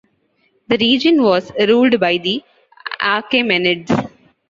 The region was ruled by the Achaemenids.